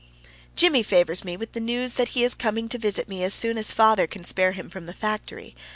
Jimmie favors me with the news that he is coming to visit me as soon as father can spare him from the factory.